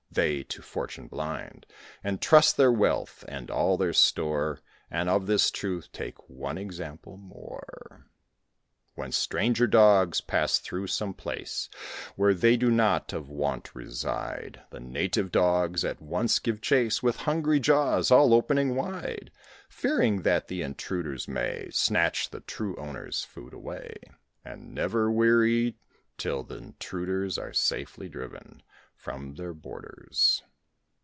They, to fortune blind, Entrust their wealth, and all their store! And of this truth take one example more. When stranger dogs pass through some place Where they do not of wont reside, The native dogs at once give chase, With hungry jaws, all opening wide (Fearing that the intruders may Snatch the true owner's food away), And never weary till th' intruders Are safely driven from their borders.